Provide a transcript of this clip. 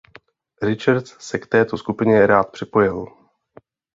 Richards se k této skupině rád připojil.